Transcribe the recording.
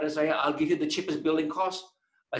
saya akan memberikan harga pembangunan yang paling murah